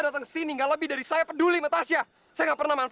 terima penyelamat kayak kamu